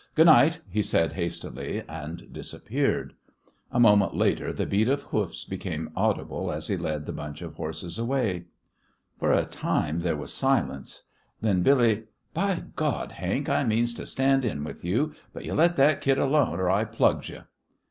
"Good night," he said, hastily, and disappeared. A moment later the beat of hoofs became audible as he led the bunch of horses away. For a time there was silence. Then Billy, "By God, Hank, I means to stand in with you, but you let that kid alone, or I plugs you!"